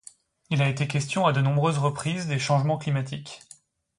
Il a été question à de nombreuses reprises des changements climatiques.